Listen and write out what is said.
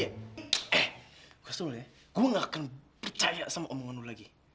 eh gue kasih tau ya gue gak akan percaya sama omongan lo lagi